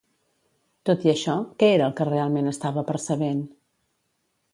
Tot i això, què era el que realment estava percebent?